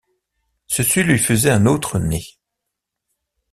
Ceci lui faisait un autre nez.